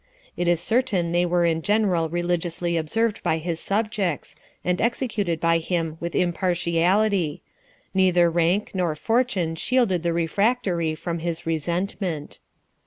It is certain they were in general religiously observed by his subjects, and executed by him with impartiality ; neither rank nor fortune shielded the refractory from his resentment.